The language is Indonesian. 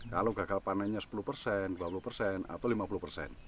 kalau gagal panennya sepuluh persen dua puluh persen atau lima puluh persen